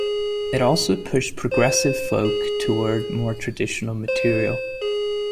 It also pushed progressive folk towards more traditional material.